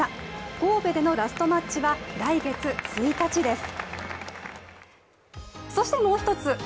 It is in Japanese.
神戸でのラストマッチは来月１日です。